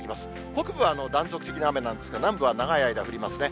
北部は断続的な雨なんですけど、南部は長い間降りますね。